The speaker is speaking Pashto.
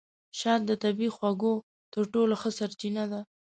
شات د طبیعي خوږو تر ټولو ښه سرچینه ده.